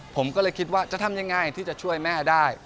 ผมก็เลยคิดว่าจะทำยังไงที่จะช่วยแม่ได้